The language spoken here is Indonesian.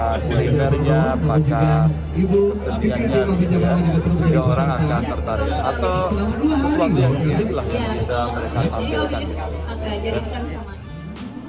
bagaimana sebenarnya apakah persediaannya juga orang akan tertarik atau sesuatu yang bisa mereka ambil